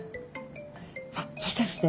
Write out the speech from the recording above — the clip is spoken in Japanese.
さあそしてですね